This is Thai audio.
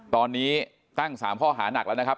ตอนนี้ตั้งสามข้อหานักนะครับ